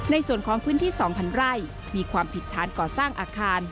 ในพื้นที่๒๐๐ไร่มีความผิดฐานก่อสร้างอาคาร